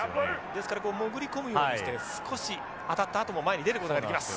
ですからこう潜り込むようにして少し当たったあとも前に出ることができます。